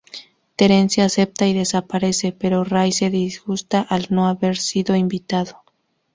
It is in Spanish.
Terence acepta y desaparece, pero Ray se disgusta al no haber sido invitado.